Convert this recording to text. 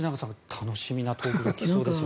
楽しみなトークが出てきそうですね。